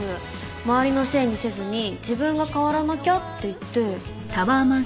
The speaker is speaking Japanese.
周りのせいにせずに自分が変わらなきゃって言って。